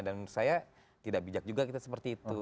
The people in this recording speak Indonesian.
dan saya tidak bijak juga kita seperti itu